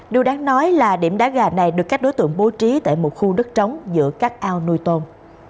điều đáng nói là điểm đá gà này được các đối tượng bố trí tại một khu đất trống giữa các ao nuôi tôm